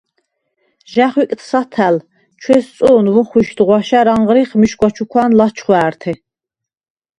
ჟ’ა̈ხვიკდ სათა̈ლ, ჩვესწო̄̈ნ, ვოხვიშდ ღვაშა̈რ ანღრიხ მიშგვა ჩუქვა̄ნ ლაჩხვა̄̈რთე.